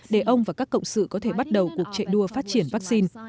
để ông và các cộng sự có thể bắt đầu cuộc chạy đua phát triển vaccine